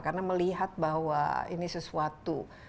karena melihat bahwa ini sesuatu